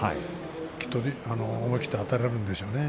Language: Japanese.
きっと思い切ってあたれるんでしょうね。